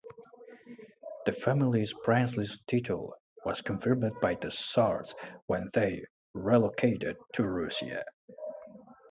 The family's princely title was confirmed by the tsars when they relocated to Russia.